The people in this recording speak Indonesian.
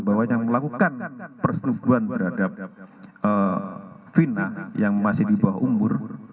bahwa yang melakukan persetubuhan terhadap fina yang masih di bawah umur